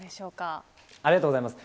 ありがとうございます。